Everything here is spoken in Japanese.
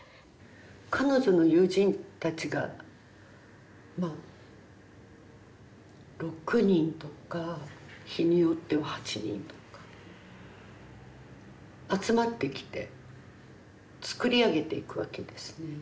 彼女の友人たちがまあ６人とか日によっては８人とか集まってきて作り上げていくわけですね。